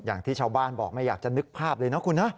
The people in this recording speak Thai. อย่างที่ชาวบ้านบอกไม่อยากจะนึกภาพเลยนะคุณนะ